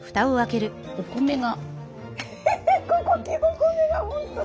お米が。